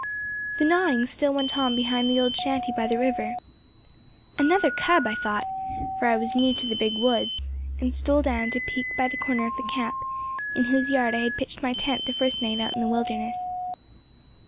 The gnawing still went on behind the old shanty by the river. "Another cub!" I thought for I was new to the big woods and stole down to peek by the corner of the camp, in whose yard I had pitched my tent the first night out in the wilderness.